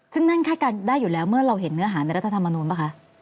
ซึ่งนั่นคาดการณ์ได้อยู่แล้วเมื่อเราเห็นเนื้อหาในรัฐธรรมนูญป่ะคะ